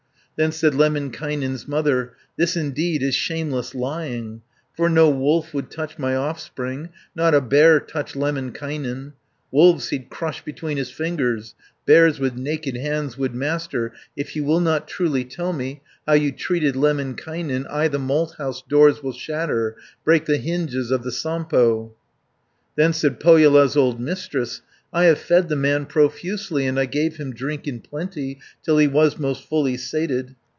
Then said Lemminkainen's mother, "This indeed is shameless lying, For no wolf would touch my offspring. Not a bear touch Lemminkainen! Wolves he'd crush between his fingers, Bears with naked hands would master. If you will not truly tell me, How you treated Lemminkainen, 80 I the malthouse doors will shatter, Break the hinges of the Sampo." Then said Pohjola's old Mistress, "I have fed the man profusely, And I gave him drink in plenty, Till he was most fully sated.